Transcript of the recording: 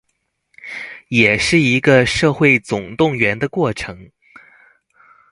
也是一個社會總動員的過程